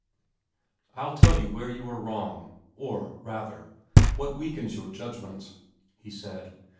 "I'll tell you where you are wrong, or, rather, what weakens your judgments," he said.